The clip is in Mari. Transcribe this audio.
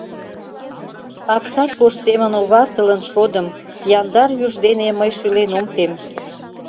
Апшат пош семын оварталын шодым. Яндар юж дене мый шӱлен ом тем.